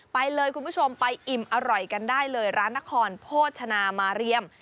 ไปเลยคุณผู้ชมไปอิ่มอร่อยกันได้เลยร้านนครโภชนามาเรียม